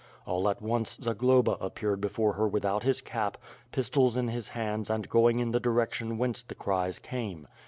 All at once, Zagloba appeared before her without his cap, pistols in his hands and going in the direction whence the cries came.